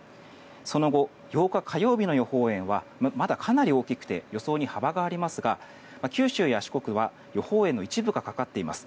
その後、８日火曜日の予報円はまだかなり大きくて予想に幅がありますが九州や四国は予報円の一部がかかっています。